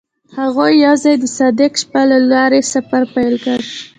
هغوی یوځای د صادق شپه له لارې سفر پیل کړ.